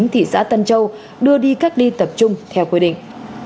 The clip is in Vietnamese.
thị xã tân châu đưa đi cách ly tập trung theo quy định